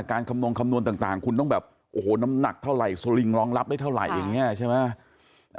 คำนวณคำนวณต่างคุณต้องแบบโอ้โหน้ำหนักเท่าไหร่สลิงรองรับได้เท่าไหร่อย่างนี้ใช่ไหม